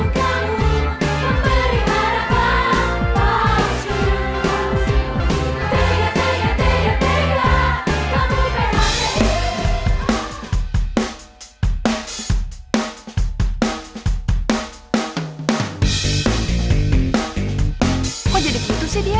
kok jadi gitu sih dia